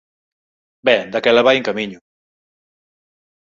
Ben, daquela vai en camiño.